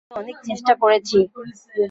আমি অনেক চেষ্টা করেছি।